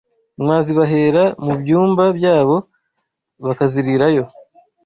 mwazibahera mu byumba byabo bakazirira yo